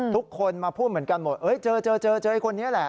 ทุกคนมาพูดเหมือนกันหมดเจอเจอไอ้คนนี้แหละ